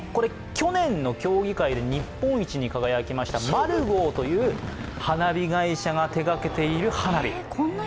去年の競技会で日本一に輝きました花火会社が手がけている花火。